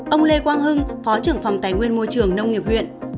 ông lê quang hưng phó trưởng phòng tài nguyên môi trường nông nghiệp huyện